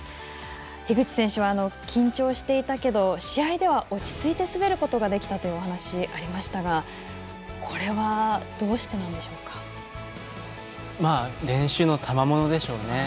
樋口選手は緊張していたけど試合では落ち着いて滑ることができたというお話がありましたがこれはどうしてなんでしょうか？